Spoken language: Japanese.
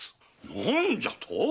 何じゃと⁉